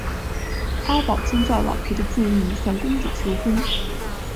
阿宝遵照老皮的建议向公主求婚。